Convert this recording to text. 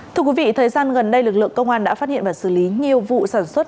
thưa quý vị thời gian gần đây lực lượng công an đã phát hiện và xử lý nhiều vụ sản xuất